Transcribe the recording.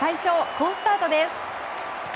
好スタートです。